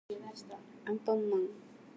あんぱんまん